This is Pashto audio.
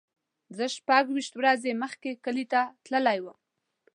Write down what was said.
زه شپږ ویشت ورځې مخکې کلی ته تللی وم.